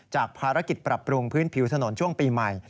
ภารกิจปรับปรุงพื้นผิวถนนช่วงปีใหม่